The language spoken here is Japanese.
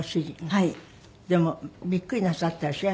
でもびっくりなさったでしょ？